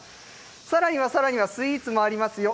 さらにはさらには、スイーツもありますよ。